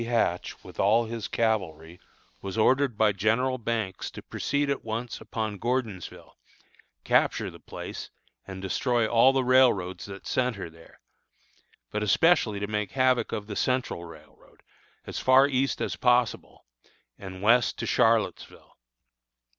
Hatch, with all his cavalry, was ordered by General Banks to proceed at once upon Gordonsville, capture the place and destroy all the railroads that centre there, but especially to make havoc of the Central road, as far east as possible, and west to Charlottesville.